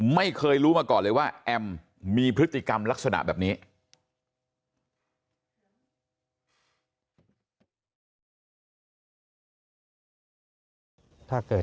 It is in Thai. ไม่เคยรู้มาก่อนเลยว่าแอมมีพฤติกรรมลักษณะแบบนี้